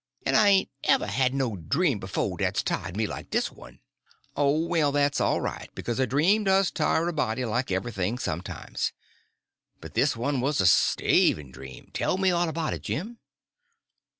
En I hain't ever had no dream b'fo' dat's tired me like dis one." "Oh, well, that's all right, because a dream does tire a body like everything sometimes. But this one was a staving dream; tell me all about it, Jim."